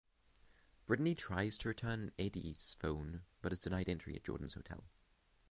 Brittany tries to return "Eddie's" phone but is denied entry at Jordan's hotel.